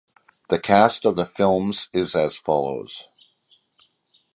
The cast of the films is as follows.